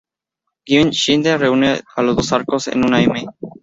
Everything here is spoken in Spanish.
Jim Schindler reúne los dos arcos en una "M".